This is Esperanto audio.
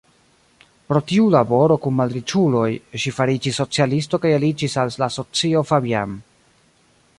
Pro tiu laboro kun malriĉuloj, ŝi fariĝis socialisto kaj aliĝis al la Socio Fabian.